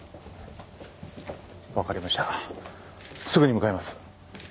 分かりましたすぐに向かいます。